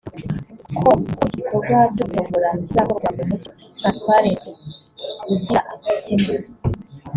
com ko iki gikorwa cyo gutombora kizakorwa mu mucyo (transparency) uzira amakemwa